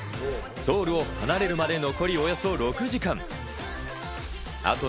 ソウルを離れるまでおよそ６時間。